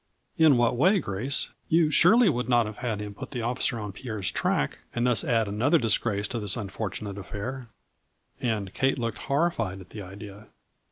" In what way, Grace ? You surely would not have had him put the officer on Pierre's track, and thus add another disgrace to this unfortu nate affair ?" And Kate looked horrified at the idea.